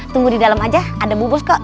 tunggu di dalam aja ada bu bos kok